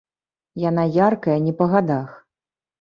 Яна яркая, не па гадах.